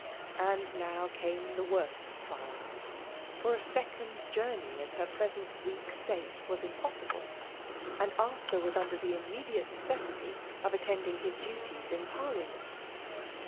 And now came the worst trial : for a second journey in her present weak state was impossible ; and Arthur was under the immediate necessity of attending his duties in Parliament.